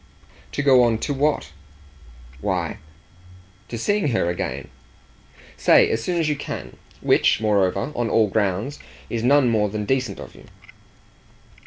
"To go on to what?" "Why, to seeing her again say as soon as you can: which, moreover, on all grounds, is no more than decent of you."